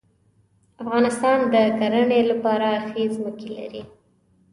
افغانستان د کرهڼې لپاره ښې ځمکې لري.